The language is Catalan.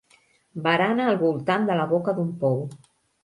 Barana al voltant de la boca d'un pou.